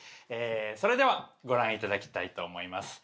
それではご覧いただきたいと思います。